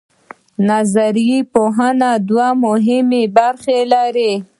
نظري پوهه دوه مهمې برخې لري.